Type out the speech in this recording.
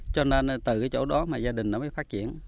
cho nên từ cái chỗ đó mà gia đình nó mới phát triển